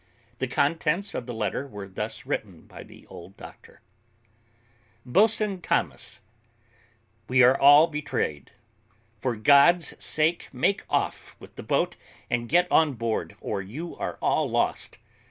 The contents of the letter were thus written by the old doctor: "BOATSWAIN THOMAS, We are all betrayed. For God's sake make off with the boat, and get on board, or you are all lost.